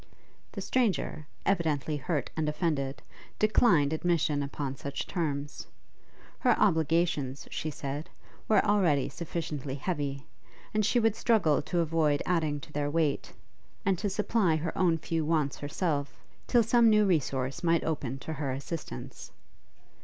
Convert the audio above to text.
The stranger, evidently hurt and offended, declined admission upon such terms. Her obligations, she said, were already sufficiently heavy, and she would struggle to avoid adding to their weight, and to supply her own few wants herself, till some new resource might open to her assistance.